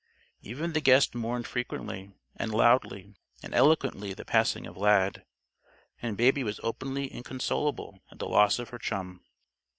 Even the guest mourned frequently, and loudly, and eloquently the passing of Lad. And Baby was openly inconsolable at the loss of her chum.